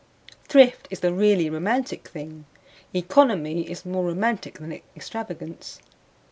Thrift is the really romantic thing; economy is more romantic than extravagance.